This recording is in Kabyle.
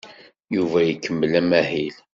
Yuba ikemmel amahil.